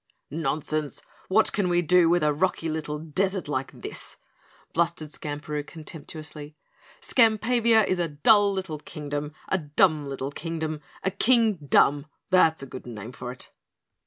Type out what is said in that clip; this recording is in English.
"Nonsense! What can we do with a rocky little desert like this?" blustered Skamperoo contemptuously. "Skampavia is a dull little Kingdom, a dumb little Kingdom a KingDUMB, that's a good name for it."